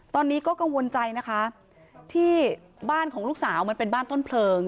ตอนนี้ก็กังวลใจนะคะที่บ้านของลูกสาวมันเป็นบ้านต้นเพลิง